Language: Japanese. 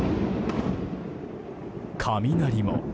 雷も。